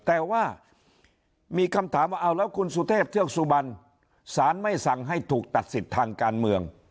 แต่ว่ามีคำถามว่าเอาแล้วคุณสุเทพเทือกสุบันสารไม่สั่งให้ถูกตัดสิทธิ์ทางการเมือง